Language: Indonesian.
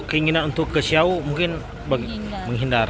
keinginan untuk ke syawu mungkin menghindar